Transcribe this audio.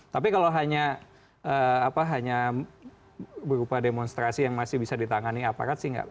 tapi kalau hanya berupa demonstrasi yang masih bisa ditangani aparat sih nggak